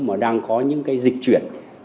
mà đang có những cái dịch chuyển